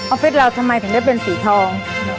ฟิศเราทำไมถึงได้เป็นสีทอง